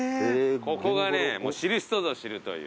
ここがね知る人ぞ知るという。